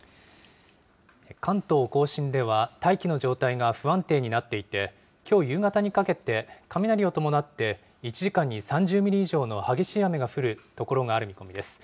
関東甲信では大気の状態が不安定になっていて、きょう夕方にかけて、雷を伴って１時間に３０ミリ以上の激しい雨が降る所がある見込みです。